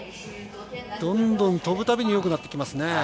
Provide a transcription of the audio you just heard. どんどん飛ぶたびによくなってきますね。